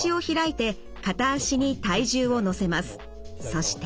そして。